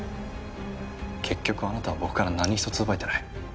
結局あなたは僕から何一つ奪えてない。